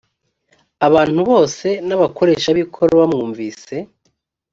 abantu bose n abakoresha b ikoro bamwumvise